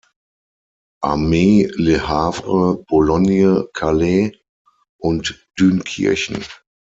Armee Le Havre, Boulogne, Calais und Dünkirchen.